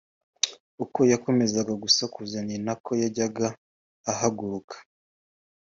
Uko yakomezaga gusakuza ni na ko yajyaga ahaguruka